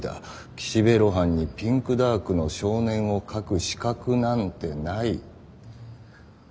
岸辺露伴に『ピンクダークの少年』を描く資格なんてない」。